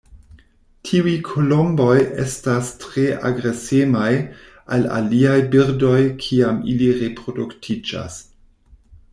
Tiuj kolomboj estas tre agresemaj al aliaj birdoj kiam ili reproduktiĝas.